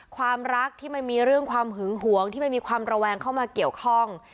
ความรักที่มันมีเรื่องความหึงหวงที่มันมีความระแวงเข้ามาเกี่ยวข้อง